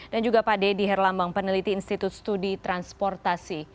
dan juga pak dedy herlambang peneliti institut studi transportasi